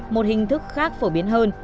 một hình thức khác phổ biến hơn